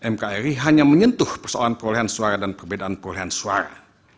mkri hanya menyentuh persoalan perolehan suara dan perbedaan perolehan suara